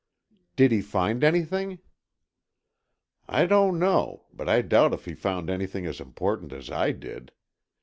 "Did he find anything?" "I don't know, but I doubt if he found anything as important as I did.